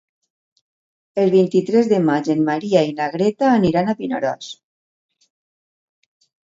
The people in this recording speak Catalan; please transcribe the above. El vint-i-tres de maig en Maria i na Greta aniran a Vinaròs.